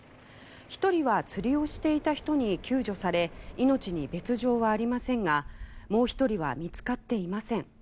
１人は釣りをしていた人に救助され命に別条はありませんがもう１人は見つかっていません。